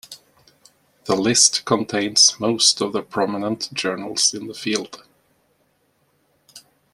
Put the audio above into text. The list contains most of the prominent journals in the field.